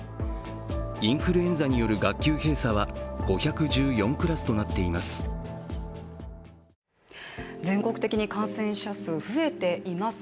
インフルエンザによる学級閉鎖は５１４クラスとなっています。